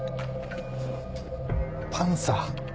パンサー？